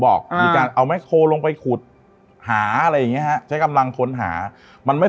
มีการเอาแม็กโคลงไปขุดหาอะไรอย่างเงี้ฮะใช้กำลังค้นหามันไม่